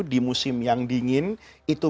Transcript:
di musim yang dingin itu